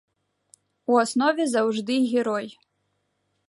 У аснове заўжды герой.